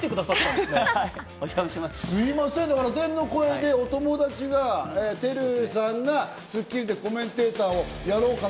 すいません、天の声でお友達が、ＴＥＲＵさんが『スッキリ』でコメンテーターをやろうかな？